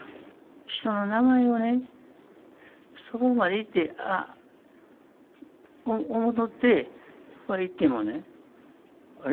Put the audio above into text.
人の名前をね、近くまで行って、あって、おもとって、行ってもね、あれ？